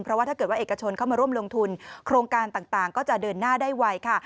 เพราะว่าถ้าเกิดว่าเอกชนเข้ามาร่วมลงทุนโครงการต่างก็จะเดินหน้าได้ไวค่ะ